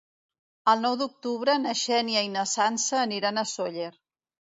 El nou d'octubre na Xènia i na Sança aniran a Sóller.